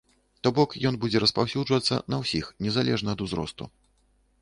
То бок, ён будзе распаўсюджвацца на ўсіх, незалежна ад узросту.